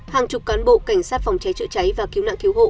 hàng chục cán bộ cảnh sát phòng cháy chữa cháy và cứu nạn cứu hộ